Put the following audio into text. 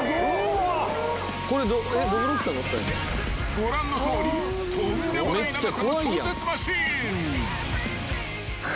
［ご覧のとおりとんでもない長さの超絶マシン］